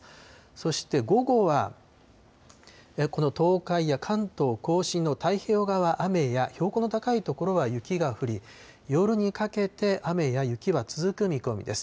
そして午後はこの東海や関東甲信の太平洋側、雨や、標高の高い所は雪が降り、夜にかけて雨や雪は続く見込みです。